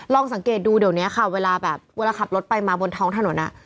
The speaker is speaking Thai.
ลองสังเกตดูเดี๋ยวนี้ค่ะเวลาแบบเวลาขับรถไปมาบนท้องถนน